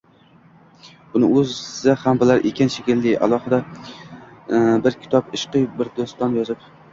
Buni o‘zi ham bilar ekan, shekilli, alohida bir kitob, ishqiy bir doston yozib